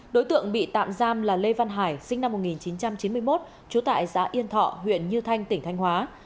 đối tượng bị tạm giam là lê văn hải sinh năm một nghìn chín trăm chín mươi một trú tại xã yên thọ huyện như thanh tỉnh thanh hóa